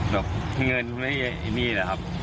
แบบเงินที่มีนี่แหละครับ